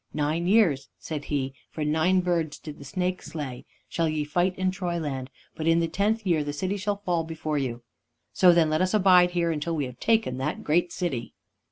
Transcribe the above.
'Nine years,' said he for nine birds did the snake slay 'shall ye fight in Troyland, but in the tenth year the city shall fall before you.' So then, let us abide here, until we have taken the great city!"